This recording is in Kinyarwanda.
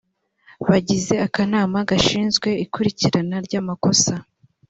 bagize akanama gashinzwe ikurikirana ry amakosa